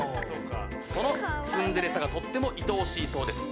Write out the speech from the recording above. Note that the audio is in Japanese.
そのツンデレさがとってもいとおしいそうです。